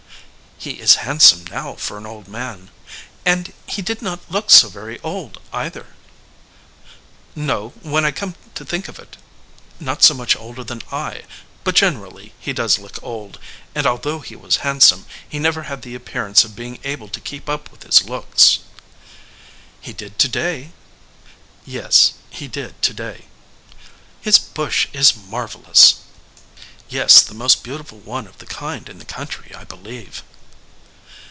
"He is handsome now for an old man and he did not look so very old, either." "No; when I come to think of it, not so much older than I ; but generally he does look old, and although he was handsome, he never had the ap pearance of being able to keep up with his looks." "He did to day." "Yes, he did to day." "His bush is marvelous." "Yes, the most beautiful one of the kind in the country, I believe."